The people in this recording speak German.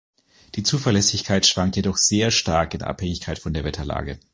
Die Zuverlässigkeit schwankt jedoch sehr stark in Abhängigkeit von der Wetterlage.